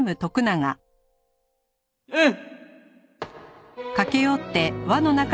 うん！